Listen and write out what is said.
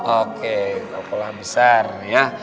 oke kol kolah besar ya